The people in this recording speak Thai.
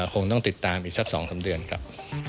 คงต้องติดตามอีกสัก๒๓เดือนครับ